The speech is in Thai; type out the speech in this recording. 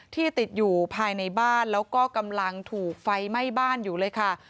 ที่ติดอยู่ภายในบ้านแล้วก็กำลังถูกไฟไหม้บ้านอยู่เลยค่ะ